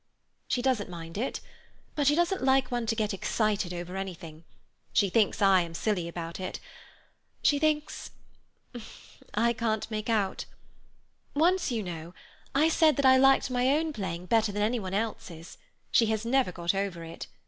"She doesn't mind it. But she doesn't like one to get excited over anything; she thinks I am silly about it. She thinks—I can't make out. Once, you know, I said that I liked my own playing better than any one's. She has never got over it.